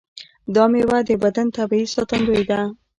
دا میوه د بدن طبیعي ساتندوی ده.